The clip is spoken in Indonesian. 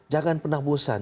jangan pernah bosan